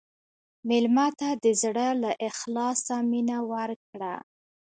مېلمه ته د زړه له اخلاصه مینه ورکړه.